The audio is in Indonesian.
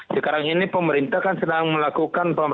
sekarang ini pemerintah kan sedang melakukan